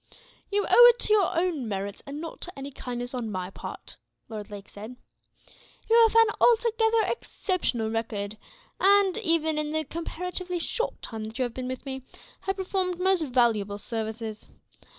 "You owe it to your own merits, and not to any kindness on my part," Lord Lake said. "You have an altogether exceptional record and, even in the comparatively short time that you have been with me, have performed most valuable services.